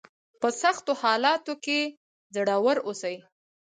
په سختو حالاتو کې زړور اوسئ.